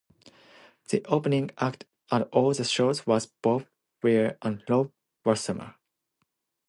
The opening act at all the shows was Bob Weir and Rob Wasserman.